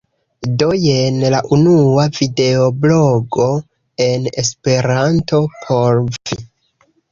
Do, jen la unua videoblogo en Esperanto. Por vi.